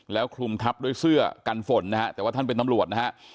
แล้วคลุมทับด้วยเสื้อกันฝนนะฮะแต่ว่าท่านเป็นตำรวจนะฮะ